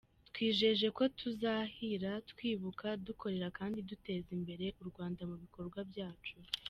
Twijeje ko tuzahira twibuka, dukorera kandi duteza imbere u Rwanda mu bikorwa byacu".